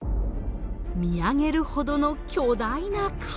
見上げるほどの巨大な壁。